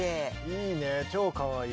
いいね超かわいい。